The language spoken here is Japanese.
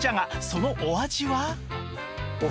そのお味は？